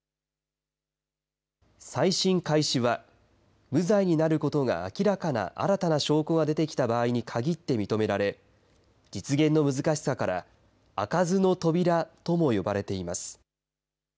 再審開始は、無罪になることが明らかな新たな証拠が出てきた場合に限って認められ、実現の難しさから、開かずの扉とも呼ばれています。